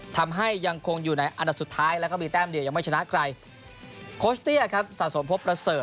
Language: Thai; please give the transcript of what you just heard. ทำให้ยังคงอยู่ในอันดับสุดท้ายแล้วก็มีแต้มเดียวยังไม่ชนะใครโคชเตี้ยครับสะสมพบประเสริฐ